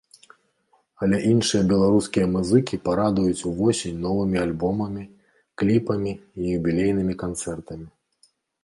Але іншыя беларускія музыкі парадуюць увосень новымі альбомамі, кліпамі і юбілейнымі канцэртамі.